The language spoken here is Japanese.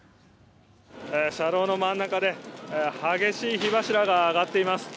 車道の真ん中で激しい火柱が上がっています。